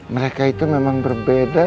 mereka itu memang berbeda